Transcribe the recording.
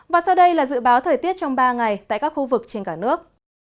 và sau đây là dự báo thời tiết trong ba ngày tại các khu vực trên cả nước